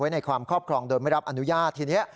ในความครอบครองโดยไม่รับอนุญาตทีนี้